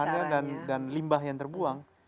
misalnya dan limbah yang terbuang